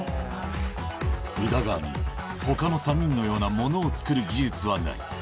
宇田川に、ほかの３人のようなものを作る技術はない。